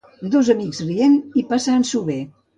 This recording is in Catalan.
Dos amics rient i passant-s'ho bé.